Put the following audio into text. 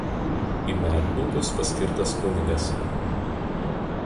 Į Medininkus paskirtas kunigas.